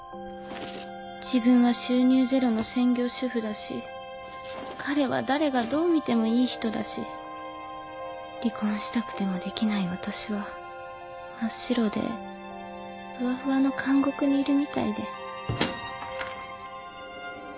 自分は収入ゼロの専業主婦だし彼は誰がどう見てもいい人だし離婚したくてもできない私は真っ白でふわふわの監獄にいるみたいで。